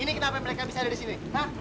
ini kenapa mereka bisa ada di sini